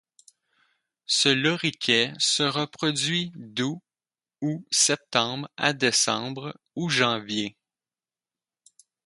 Ce loriquet se reproduit d'août ou septembre à décembre ou janvier.